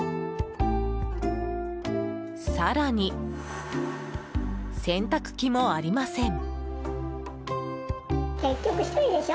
更に、洗濯機もありません。